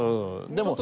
でも。